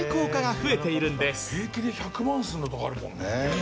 平気で１００万するのとかあるもんね。